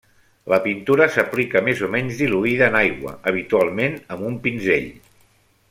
La pintura s'aplica més o menys diluïda en aigua, habitualment amb un pinzell.